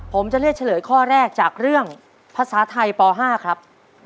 ผมจะเลือกเฉลยข้อแรกจากเรื่องภาษาไทยป๕ครับ